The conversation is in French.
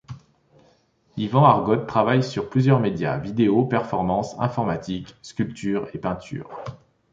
Iván Argote travaille sur plusieurs médias, vidéo, performance, informatique, sculpture et peinture.